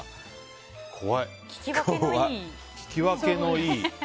聞き分けのいい。